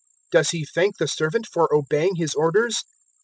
017:009 Does he thank the servant for obeying his orders?